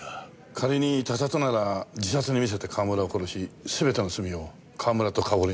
仮に他殺なら自殺に見せて川村を殺し全ての罪を川村とかおるに着せようとした。